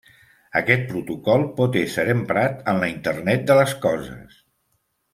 Aquest protocol pot ésser emprat en la Internet de les coses.